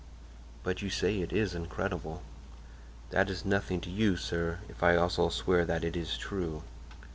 "But you say it is incredible." "That is nothing to you, sir, if I also swear that it is true."